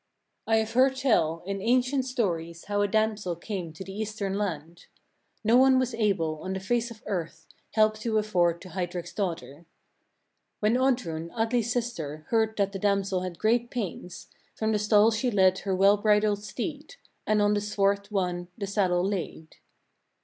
I have heard tell, in ancient stories how a damsel came to the eastern land: no one was able, on the face of earth, help to afford to Heidrek's daughter. 2. When Oddrun, Atli's sister, heard that the damsel had great pains, from the stall she led her well bridled steed, and on the swart one the saddle laid.